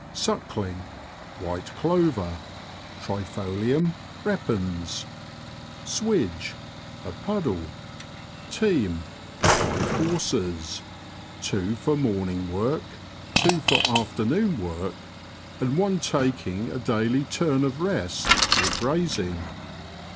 Suckling. — White clover (Trifolium repens). Swidge. — A puddle. Team, — Five horses : two for morning work, two for afternoon work, and one taking a daily turn of rest, or grazing.